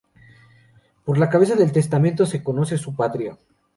Por la cabeza del testamento se conoce su patria.